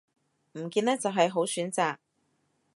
唔見得就係好選擇